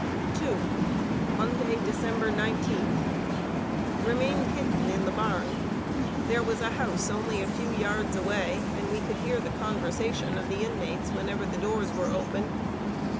II. Monday, December 19. Remained hidden in the barn. There was a house only a few yards away, and we could hear the conversation of the inmates whenever the doors were open.